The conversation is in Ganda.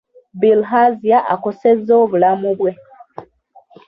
Bilharzia akosezza obulamu bwe.